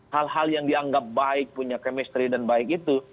hal hal yang dianggap baik punya chemistry dan baik itu